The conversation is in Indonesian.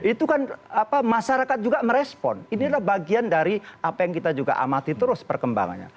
itu kan masyarakat juga merespon ini adalah bagian dari apa yang kita juga amati terus perkembangannya